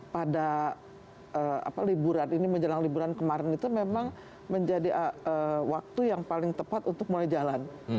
pada liburan ini menjelang liburan kemarin itu memang menjadi waktu yang paling tepat untuk mulai jalan